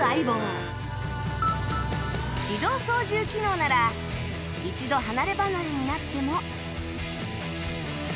自動操縦機能なら一度離ればなれになっても